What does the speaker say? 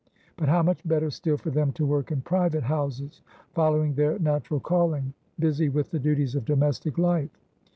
But how much better still for them to work in private houses, following their natural calling, busy with the duties of domestic life.